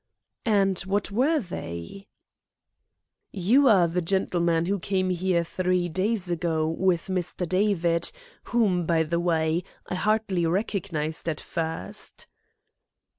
"And what were they?" "You are the gentleman who came here three days ago with Mr. David, whom, by the way, I hardly recognised at first?"